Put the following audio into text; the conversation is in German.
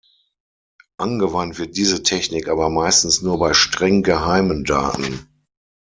Angewandt wird diese Technik aber meistens nur bei streng geheimen Daten.